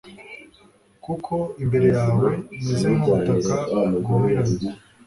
kuko imbere yawe meze nk'ubutaka bwumiranye